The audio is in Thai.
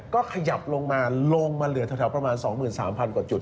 ก็ขยับลงมาลงมาเหลือแถวประมาณ๒๓๐๐กว่าจุด